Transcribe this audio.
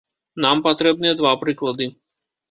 Нам патрэбныя два прыклады.